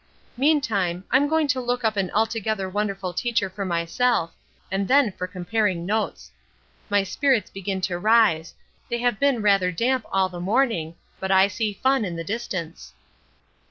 Meantime I'm going to look up an altogether wonderful teacher for myself, and then for comparing notes. My spirits begin to rise, they have been rather damp all the morning, but I see fun in the distance.